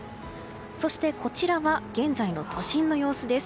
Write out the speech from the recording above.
そして、こちらは現在の都心の様子です。